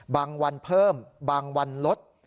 บางวันเพิ่มบางวันลด